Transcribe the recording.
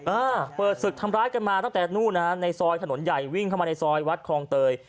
เออเปิดศึกทำร้ายกันมาตั้งแต่นู่นนะฮะในซอยถนนใหญ่วิ่งเข้ามาในซอยวัดคลองเตย